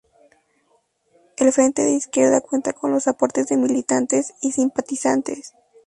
El Frente de Izquierda cuenta con los aportes de militantes y simpatizantes.